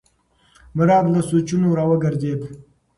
مراد له سوچونو راوګرځېد.